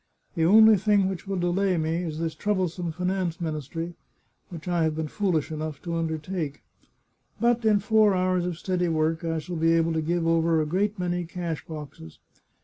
The only thing which will delay me is this troublesome Finance Ministry, which I have been fooHsh enough to undertake. But in four hours of steady work I shall be able to give over a g^eat many cash boxes.